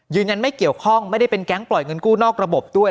ยืนยันไม่เกี่ยวข้องไม่ได้เป็นแก๊งปล่อยเงินกู้นอกระบบด้วย